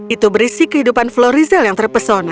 itu berisi kehidupan florizel yang terpesona